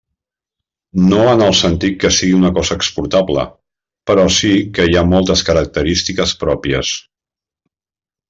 No en el sentit que sigui una cosa exportable, però sí que hi ha moltes característiques pròpies.